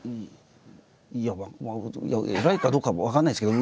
いや偉いかどうかは分からないですけどね。